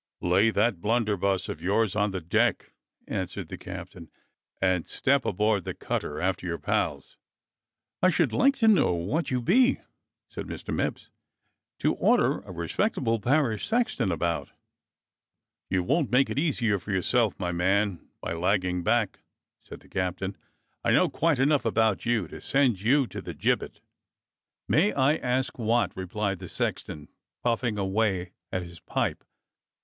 " "Lay that blunderbuss of yours on the deck," an swered the captain, "and step aboard the cutter after your pals." "I should like to know what you be," said Mr. Mipps, "to order a respectable parish sexton about." "You won't make it easier for yourself, my man, by THE DEAD MAX'S THROTTLE 291 lagging back," said the captain. " I know quite enough about you to send you to the gibbet." "May I ask what.^" replied the sexton, puffing away at his pipe.